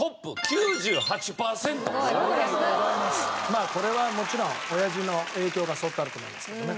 まあこれはもちろん親父の影響が相当あると思いますけどね。